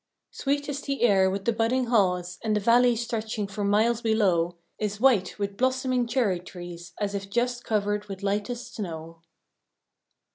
Sweet is the air with the budding haws, and the valley stretching for miles below Is white with blossoming cherry trees, as if just covered with lightest snow.